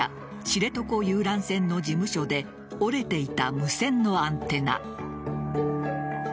知床遊覧船の事務所で折れていた無線のアンテナ。